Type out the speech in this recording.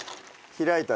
開いた。